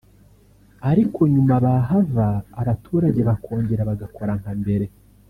ariko nyuma bahava abaturage bakongera bagakora nka mbere